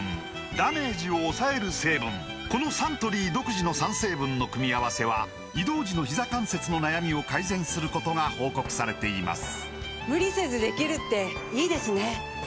このサントリー独自の３成分の組み合わせは移動時のひざ関節の悩みを改善することが報告されています